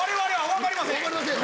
分かりませんよ